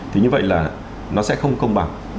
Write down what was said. thì như vậy là nó sẽ không công bằng